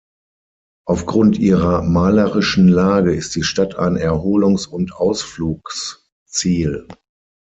Aufgrund ihrer malerischen Lage ist die Stadt ein Erholungs- und Ausflugsziel.